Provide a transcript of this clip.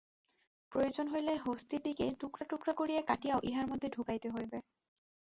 প্রয়োজন হইলে হস্তীটিকে টুকরা টুকরা করিয়া কাটিয়াও ইহার মধ্যে ঢুকাইতে হইবে।